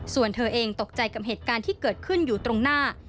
ส่วนเธอเองตกใจกับเหตุการณ์ที่เกิดขึ้นอยู่ตรงหน้า